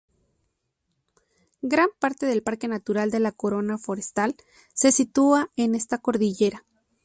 Gran parte del Parque Natural de la Corona Forestal se sitúa en esta cordillera.